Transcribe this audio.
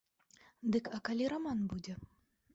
Дык а калі раман будзе?